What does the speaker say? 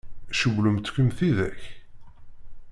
Cewwlent-kem tidak?